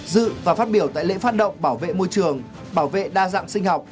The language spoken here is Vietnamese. dự và phát biểu tại lễ phát động bảo vệ môi trường bảo vệ đa dạng sinh học